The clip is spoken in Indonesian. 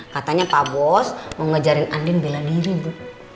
katanya pak bos mau ngajarin andin bela diri bu